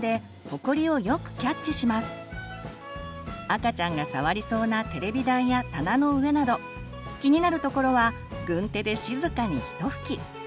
赤ちゃんが触りそうなテレビ台や棚の上など気になる所は軍手で静かにひと拭き！